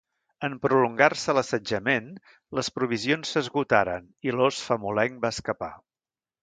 En prolongar-se l'assetjament, les provisions s'esgotaren i l'os famolenc va escapar.